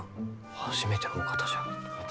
初めてのお方じゃ。